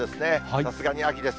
さすがに秋です。